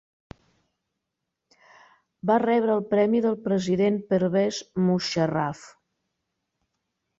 Va rebre el premi del President Pervez Musharraf.